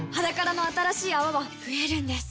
「ｈａｄａｋａｒａ」の新しい泡は増えるんです